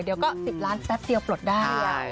เดี๋ยวก็๑๐ล้านแป๊บเดียวปลดได้